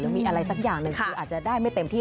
มีอะไรสักอย่างหนึ่งคืออาจจะได้ไม่เต็มที่